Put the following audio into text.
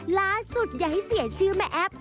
ล้าสุดย้ายเสียชื่อแม่แอฟ